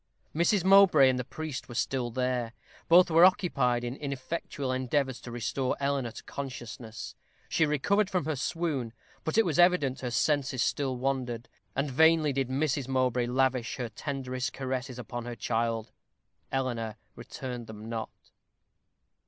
Mrs. Mowbray and the priest were still there. Both were occupied in ineffectual endeavors to restore Eleanor to consciousness. She recovered from her swoon; but it was evident her senses still wandered; and vainly did Mrs. Mowbray lavish her tenderest caresses upon her child. Eleanor returned them not.